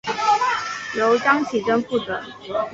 由张启珍负责。